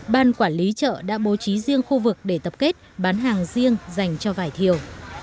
ban quản lý chợ đã bố trí riêng khu vực để tập kết bán hàng riêng dành cho vải thiều